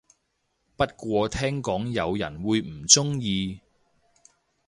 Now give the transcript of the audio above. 不過聽講有人會唔鍾意